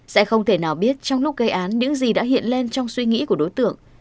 sẽ không thể nào biết trong lúc gây án những gì đã hiện lên trong suy nghĩ của đối tượng